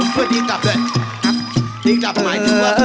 เพื่อพื้นีกลับด้วย